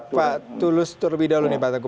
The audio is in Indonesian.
saya ke pak tulus terlebih dahulu nih pak tengku